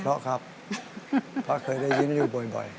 เพราะครับเพราะเคยได้ยินอยู่บ่อย